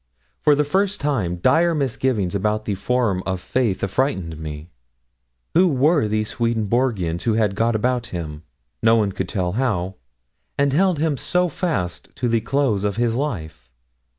For the first time, dire misgivings about the form of faith affrighted me. Who were these Swedenborgians who had got about him no one could tell how and held him so fast to the close of his life?